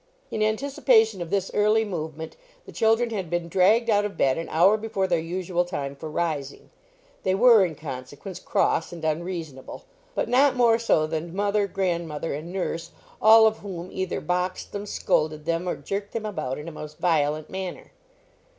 In anticipation of this early movement, the children had been dragged out of bed an hour before their usual time for rising. They were, in consequence, cross and unreasonable; but not more so than mother, grandmother, and nurse, all of whom either boxed them, scolded them, or jerked them about in a most violent manner.